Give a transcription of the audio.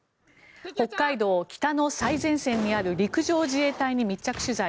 北海道、北の最前線にある陸上自衛隊に密着取材。